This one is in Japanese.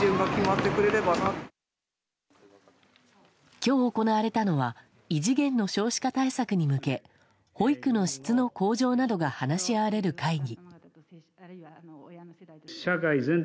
今日行われたのは異次元の少子化対策に向け保育の質の向上などが話し合われる会議。